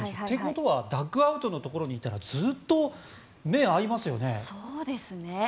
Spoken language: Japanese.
ということはダッグアウトのところにいたらずっと目が合いますよね。